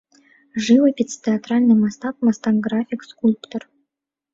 Жывапісец, тэатральны мастак, мастак-графік, скульптар.